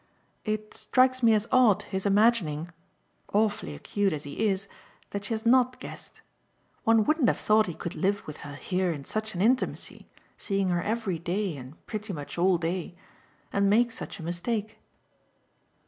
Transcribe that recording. "It strikes me as odd his imagining awfully acute as he is that she has NOT guessed. One wouldn't have thought he could live with her here in such an intimacy seeing her every day and pretty much all day and make such a mistake."